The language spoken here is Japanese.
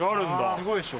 すごいでしょ？